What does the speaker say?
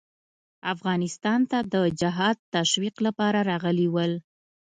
افغانستان ته د جهاد تشویق لپاره راغلي ول.